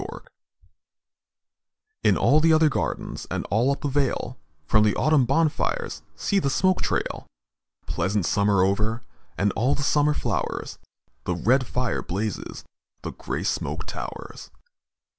VI Autumn Fires In the other gardens And all up the vale, From the autumn bonfires See the smoke trail! Pleasant summer over And all the summer flowers, The red fire blazes, The grey smoke towers.